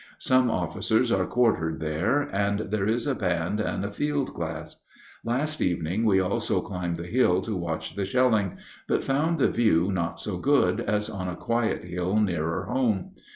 Some officers are quartered there, and there is a band and a field glass. Last evening we also climbed the hill to watch the shelling, but found the view not so good as on a quiet hill nearer home.